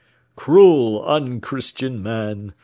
"Cruel, unchristian man!"